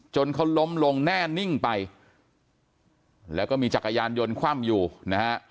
เขาล้มลงแน่นิ่งไปแล้วก็มีจักรยานยนต์คว่ำอยู่นะฮะ